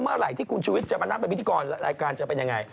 เมื่อไหร่ที่คุณชุวิตจะมานั่งเป็นพิธีกรรายการจะเป็นยังไง